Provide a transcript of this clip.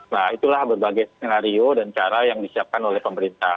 nah itulah berbagai skenario dan cara yang disiapkan oleh pemerintah